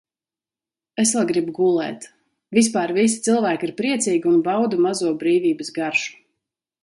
Es vēl gribu gulēt. Vispār visi cilvēki ir priecīgi un bauda mazo brīvības garšu.